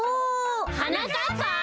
はなかっぱ！